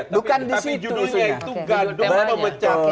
tapi judulnya itu